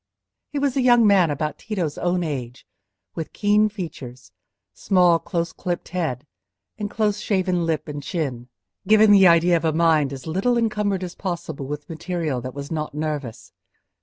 He was a young man about Tito's own age, with keen features, small close clipped head, and close shaven lip and chin, giving the idea of a mind as little encumbered as possible with material that was not nervous.